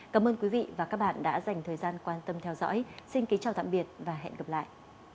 cảm ơn quý vị và các bạn đã dành thời gian quan tâm theo dõi xin kính chào tạm biệt và hẹn gặp lại